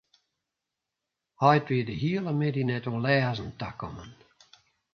Heit wie de hiele middei net oan lêzen takommen.